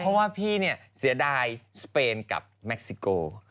เพราะว่าพี่เนี่ยเสียดายสเปนกับแม็กซิโก